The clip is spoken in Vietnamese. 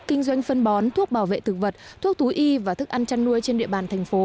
kinh doanh phân bón thuốc bảo vệ thực vật thuốc thú y và thức ăn chăn nuôi trên địa bàn thành phố